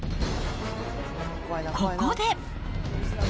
ここで。